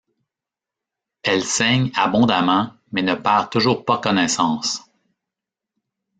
Elle saigne abondamment mais ne perd toujours pas connaissance.